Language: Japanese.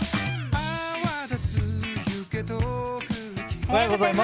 おはようございます。